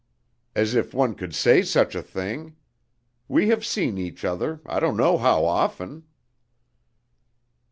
"As if one could say such a thing! We have seen each other I don't know how often!"